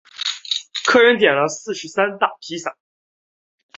客人点了四十三大披萨